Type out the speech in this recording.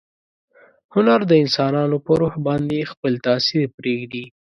هنر د انسانانو په روح باندې خپل تاثیر پریږدي.